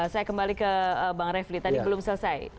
saya kembali ke bang refli tadi belum selesai